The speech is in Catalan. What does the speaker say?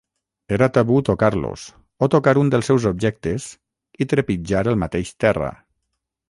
Era tabú tocar-los, o tocar un dels seus objectes, i trepitjar el mateix terra.